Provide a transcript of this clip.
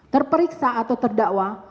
terperiksa atau terdakwa